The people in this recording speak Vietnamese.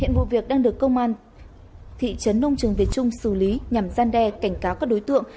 hiện vụ việc đang được công an thị trấn nông trường việt trung xử lý nhằm gian đe cảnh cáo các đối tượng